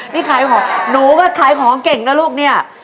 นี่ขายของหนูก็ขายของเก่งนะลูกเนี่ย